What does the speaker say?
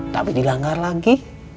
tapi dilanggar lagi